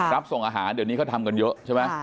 รับส่งอาหารเดี๋ยวนี้เขาทำกันเยอะใช่ไหม